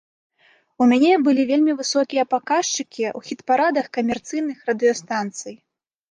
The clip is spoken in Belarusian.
У мяне былі вельмі высокія паказчыкі ў хіт-парадах камерцыйных радыёстанцый.